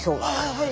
はい！